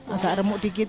agak remuk dikit